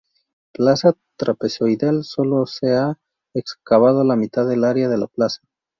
Plaza trapezoidal solo se ha excavado la mitad del área de la plaza.